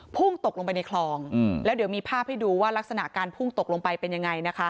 พุ่งตกลงไปในคลองแล้วเดี๋ยวมีภาพให้ดูว่ารักษณะการพุ่งตกลงไปเป็นยังไงนะคะ